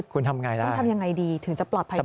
คุณทำอย่างไรได้ทำอย่างไรดีถึงจะปลอดภัยที่สุด